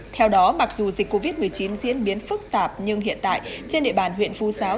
theo đó mặc dù dịch covid một mươi chín diễn biến phức tạp nhưng hiện tại trên địa bàn huyện phú giáo